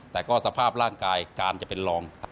แต่ก็สภาพร่างกายการจะเป็นรอง